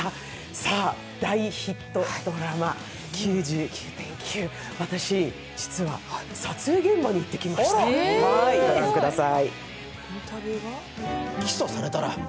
さあ、大ヒットドラマ、「９９．９」、私、実は撮影現場に行ってきました、御覧ください。